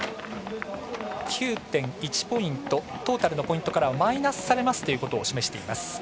９．１ポイントトータルのポイントからはマイナスされますということを示しています。